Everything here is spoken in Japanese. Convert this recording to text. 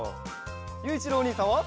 ゆういちろうおにいさんは？